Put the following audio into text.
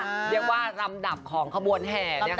เรียกว่าลำดับของขบวนแห่